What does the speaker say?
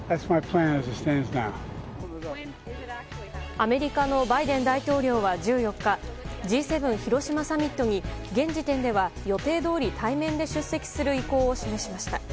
アメリカのバイデン大統領は１４日Ｇ７広島サミットに、現時点では予定どおり対面で出席する意向を示しました。